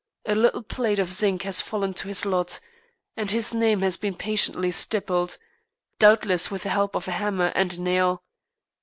A little plate of zinc has fallen to his lot, and his name has been patiently stippled, doubtless with the help of a hammer and a nail.